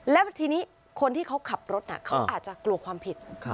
แล้วทีนี้คนที่เขาขับรถเขาอาจจะกลัวความผิด